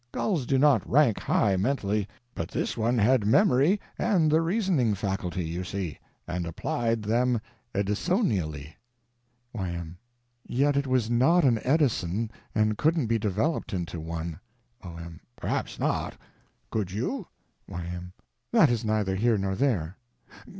Gulls do not rank high mentally, but this one had memory and the reasoning faculty, you see, and applied them Edisonially. Y.M. Yet it was not an Edison and couldn't be developed into one. O.M. Perhaps not. Could you? Y.M. That is neither here nor there.